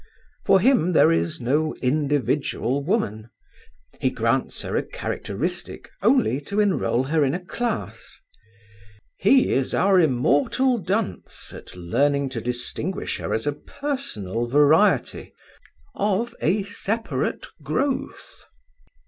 For him there is no individual woman. He grants her a characteristic only to enroll her in a class. He is our immortal dunce at learning to distinguish her as a personal variety, of a separate growth.